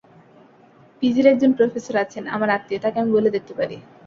পিজির একজন প্রফেসর আছেন, আমার আত্মীয়, তাঁকে আমি বলে দেখতে পারি।